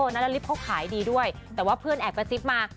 นาตาลิฟท์เขาขายดีด้วยแต่ว่าเพื่อนแอบประสิทธิ์มา